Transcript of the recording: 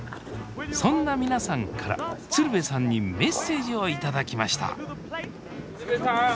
そんな皆さんから鶴瓶さんにメッセージを頂きました鶴瓶さん！